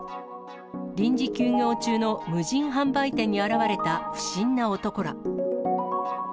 臨時休業中の無人販売店に現れた不審な男ら。